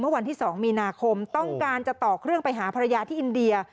วันที่๒มีนาคมต้องการจะต่อเครื่องไปหาภรรยาที่อินเดีย